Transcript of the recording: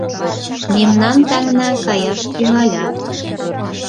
Мемнан таҥна каяш тӱҥалят